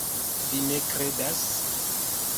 Vi ne kredas?